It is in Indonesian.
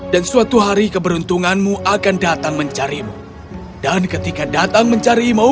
dan suatu hari keberuntunganmu akan datang mencarimu dan ketika datang mencari yang salahmu